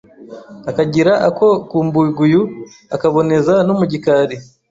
akagira ako kumbuguyu akaboneza no mu gikari